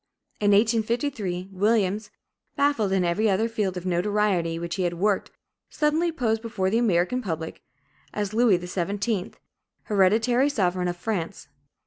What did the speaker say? In 1853, Williams, baffled in every other field of notoriety which he had worked, suddenly posed before the American public as Louis XVII., hereditary sovereign of France.